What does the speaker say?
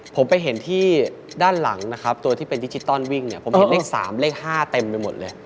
ผมไปเห็นที่ด้านหลังนะครับตัวที่เป็นดิจิตอลวิ่งเนี่ยผมเห็นเลข๓เลข๕เต็มไปหมดเลย